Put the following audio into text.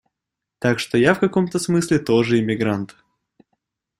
Так что я в каком-то смысле тоже иммигрант.